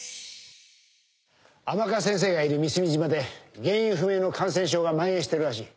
「甘春先生がいる美澄島で原因不明の感染症がまん延してるらしい」